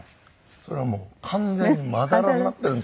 それがもう完全にまだらになってるんですよ。